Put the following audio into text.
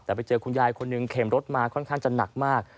แต่ไปเจอคุณยายคนหนึ่งเข็มรถมาค่อนข้างจะหนักมาก